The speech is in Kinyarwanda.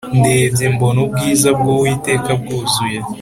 Ndebye mbona ubwiza bw uwiteka bwuzuye